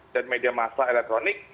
dan media masak elektronik